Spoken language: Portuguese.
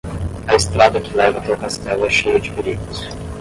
A estrada que leva até o castelo é cheia de perigos